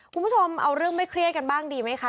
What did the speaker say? คุณผู้ชมเอาเรื่องไม่เครียดกันบ้างดีไหมคะ